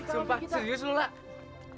sumpah serius lo lah